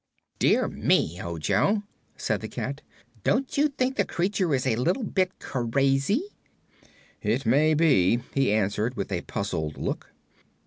"Dear me, Ojo," said the cat; "don't you think the creature is a little bit crazy?" "It may be," he answered, with a puzzled look.